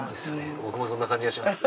僕もそんな感じがします。